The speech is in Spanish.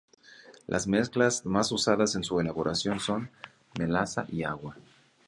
Las mezclas más usadas en su elaboración son; melaza y agua.